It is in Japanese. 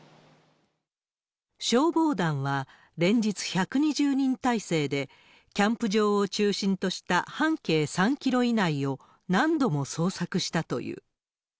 消防団は連日１２０人態勢で、キャンプ場を中心とした半径３キロ以内を、何度も捜索したという。